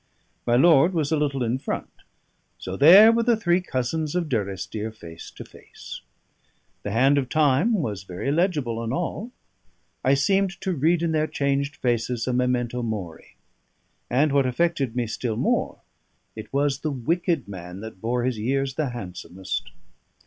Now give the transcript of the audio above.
My lord was a little in front: so there were the three cousins of Durrisdeer face to face. The hand of time was very legible on all; I seemed to read in their changed faces a memento mori; and what affected me still more, it was the wicked man that bore his years the handsomest.